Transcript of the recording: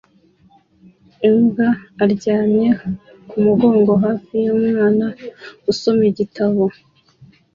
Imbwa aryamye ku mugongo hafi y'umwana usoma igitabo